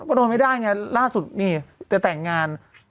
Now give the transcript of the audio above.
ก็ดมไม่ได้อย่างเงี้ยล่าสุดนี่แต่แต่งงาน